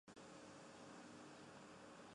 棕鳞肉刺蕨为鳞毛蕨科肉刺蕨属下的一个种。